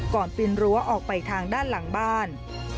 ปีนรั้วออกไปทางด้านหลังบ้าน